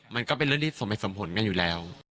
มันก็เป็นเรื่องที่สมเหตุสมผลกันอยู่แล้ว